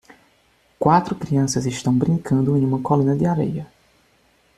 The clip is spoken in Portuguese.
Quatro crianças estão brincando em uma colina de areia.